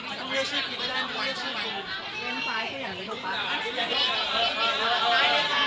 มันไม่ช่างกันไม่เอาหรอ